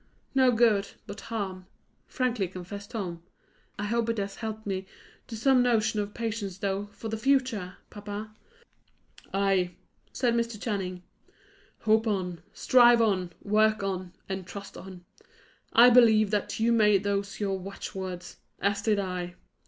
"No good, but harm," frankly confessed Tom. "I hope it has helped me to some notion of patience, though, for the future, papa." "Ay," said Mr. Channing. "Hope on, strive on, work on, and trust on! I believe that you made those your watchwords; as did I.